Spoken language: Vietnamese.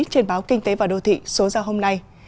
trên báo kinh tế và đô thị số ra hôm nay